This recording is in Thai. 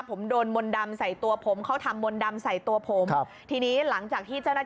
พอผมไปรักษาไหนผมก็ต้องจริงเป็นบ้า